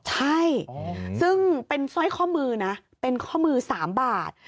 ใช่ซึ่งเป็นสร้อยข้อมือนะเป็นข้อมือ๓บาท